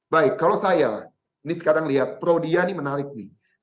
baik kalau saya ini sekarang lihat prodia ini menarik nih